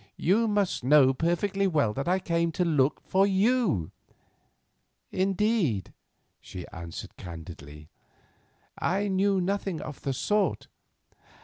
You must know perfectly well that I came to look for you." "Indeed," she answered candidly, "I knew nothing of the sort.